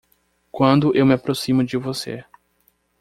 Quando eu me aproximo de você